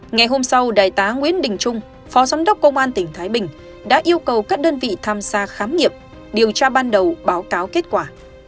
ngày hôm sau đại tá nguyễn đình trung phó giám đốc công an tỉnh thái bình đã yêu cầu các đơn vị tham gia khám nghiệm điều tra ban đầu báo cáo kết quả